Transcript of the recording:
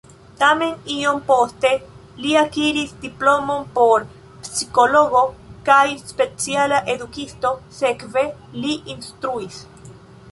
Tamen iom poste li akiris diplomon por psikologo kaj speciala edukisto, sekve li instruis.